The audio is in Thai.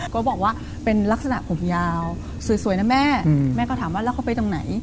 ก็บอกว่าเป็นลักษณะผมยาวสวยนะแม่แม่ก็ถามว่าแล้วเขาไปตรงไหน